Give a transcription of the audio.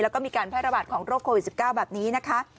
แล้วก็มีการแพร่ระบาดของโรคโควิด๑๙แบบนี้นะคะ